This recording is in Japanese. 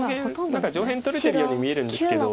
何か上辺取れてるように見えるんですけど。